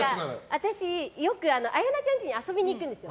私、よく綾菜ちゃんちに遊びに行くんですよ。